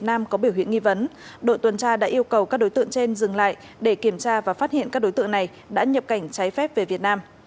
nam có biểu hiện nghi vấn đội tuần tra đã yêu cầu các đối tượng trên dừng lại để kiểm tra và phát hiện các đối tượng này đã nhập cảnh trái phép về việt nam